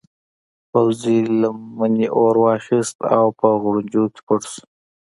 پوځي لمنې اور واخیست او په غوړنجو کې پټ شو.